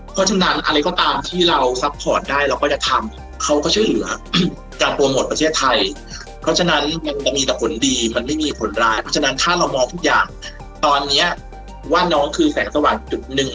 เพราะฉะนั้นอะไรก็ตามที่เราซัพพอร์ตได้เราก็จะทำเขาก็ช่วยเหลือการโปรโมทประเทศไทยเพราะฉะนั้นมันจะมีแต่ผลดีมันไม่มีผลร้ายเพราะฉะนั้นถ้าเรามองทุกอย่างตอนนี้ว่าน้องคือแสงสว่างจุดหนึ่ง